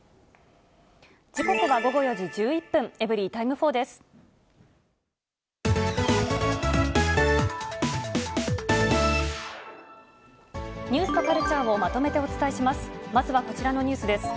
時刻は午後４時１１分、エブリィタイム４です。